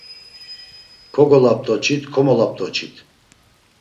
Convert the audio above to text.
Kogolapt̆oçit, komolapt̆oçit.